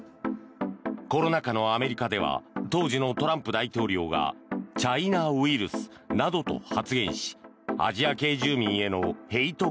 コロナ禍のアメリカでは当時のトランプ大統領がチャイナウイルスなどと発言しアジア系住民へのヘイト